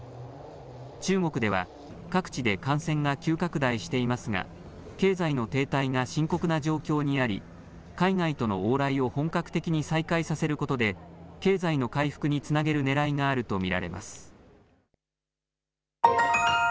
中国では各地で感染が急拡大していますが経済の停滞が深刻な状況にあり海外との往来を本格的に再開させることで経済の回復につなげるねらいがあると見られます。